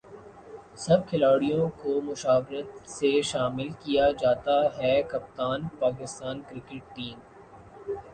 سب کھلاڑیوں کومشاورت سےشامل کیاجاتاہےکپتان پاکستان کرکٹ ٹیم